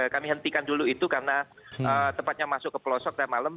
kami hentikan dulu itu karena tempatnya masuk ke pelosok dan malam